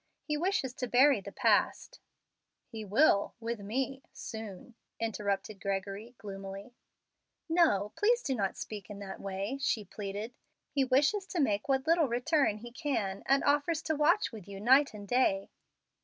He wishes to bury the past " "He will, with me, soon," interrupted Gregory, gloomily. "No; please do not speak in that way," she pleaded. "He wishes to make what little return he can, and offers to watch with you night and day."